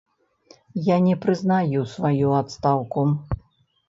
Я не прызнаю сваю адстаўку.